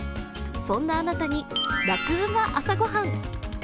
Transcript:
そんなあなたに「ラクうま！朝ごはん」。